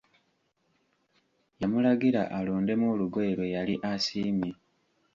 Yamulagira alondemu olugoye lwe yali asiimye.